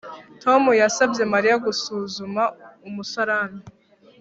Tom yasabye Mariya gusuzuma umusarani